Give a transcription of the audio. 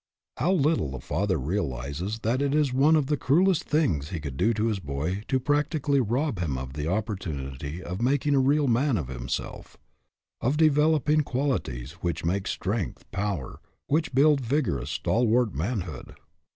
How little a father realizes that it is one of the cruelest things he could do to his boy to practically rob him of the opportunity of mak ing a real man of himself, of developing quali ties which make strength, power, which build vigorous, stalwart manhood!